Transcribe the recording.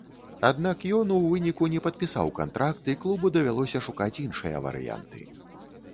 Аднак ён у выніку не падпісаў кантракт, і клубу давялося шукаць іншыя варыянты.